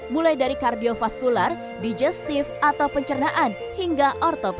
mulai dari kardiofaskular digestif atau pencernaan hingga ortopedi